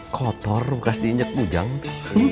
kotor bukaas ini nyedbu ujang tuh